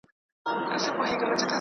دا ټولي پېښې ژور لوستل غواړي.